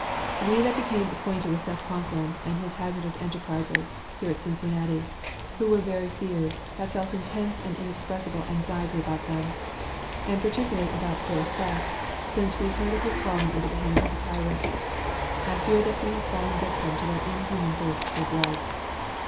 We that became acquainted with Seth Concklin and his hazardous enterprises (here at Cincinnati), who were very few, have felt intense and inexpressible anxiety about them. And particularly about poor Seth, since we heard of his falling into the hands of the tyrants. I fear that he has fallen a victim to their inhuman thirst for blood.